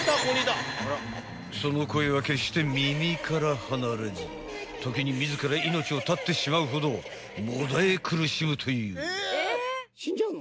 ［その声は決して耳から離れず時に自ら命を絶ってしまうほどもだえ苦しむという］